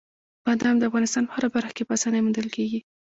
بادام د افغانستان په هره برخه کې په اسانۍ موندل کېږي.